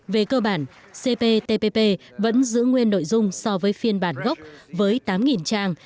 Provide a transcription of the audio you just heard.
về cơ bản cptpp vẫn giữ nguyên nội dung so với phiên bản gốc với tám trang